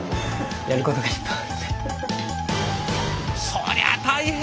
そりゃあ大変！